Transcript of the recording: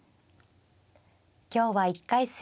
今日は１回戦